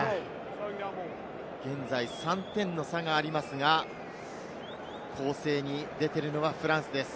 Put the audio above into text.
現在３点の差がありますが、攻勢に出ているのはフランスです。